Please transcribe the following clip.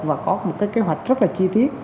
và có một cái kế hoạch rất là chi tiết